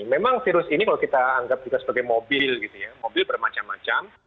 memang virus ini kalau kita anggap juga sebagai mobil gitu ya mobil bermacam macam